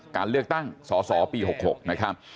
การเลือกตั้งสสปี๖๖นะครับ